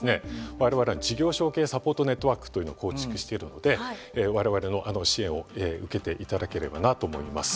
我々は事業承継サポートネットワークというのを構築しているので我々の支援を受けて頂ければなと思います。